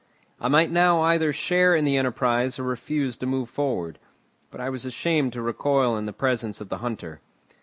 I might now either share in the enterprise or refuse to move forward. But I was ashamed to recoil in the presence of the hunter.